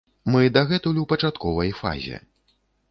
Мы дагэтуль у пачатковай фазе.